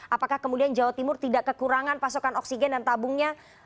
apakah kemudian jawa timur tidak kekurangan pasokan oksigen dan tabungnya